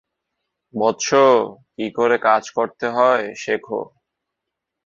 বৎস, কি করে কাজ করতে হয়, শেখো।